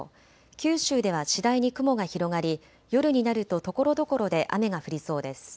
九州では次第に雲が広がり夜になるとところどころで雨が降りそうです。